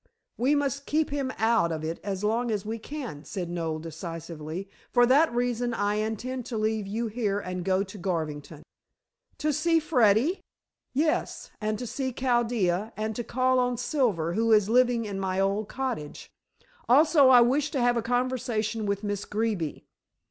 "We must keep him out of it as long as we can," said Noel decisively. "For that reason I intend to leave you here and go to Garvington." "To see Freddy?" "Yes, and to see Chaldea, and to call on Silver, who is living in my old cottage. Also I wish to have a conversation with Miss Greeby.